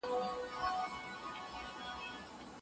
د تفريق غوښتنه ولري، نو قاضي د دوی د بيلتون واک لري.